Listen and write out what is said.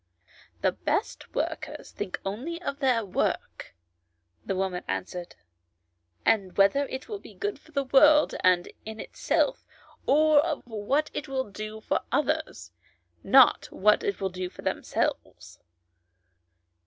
" The best workers think only of their work," the woman answered, " and whether it will be good for the world and in itself, or of what it will do for others, not of what it will do for themselves."